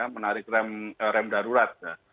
menarik rem darurat